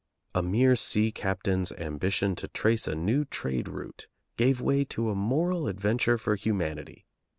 A mere sea captain's ambition to trace a new trade route gave way to a moral adventure for humanity.